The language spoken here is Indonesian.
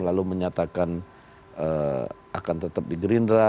lalu menyatakan akan tetap di gerindra